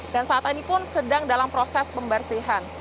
dan saat ini pun sedang dalam proses pembersihan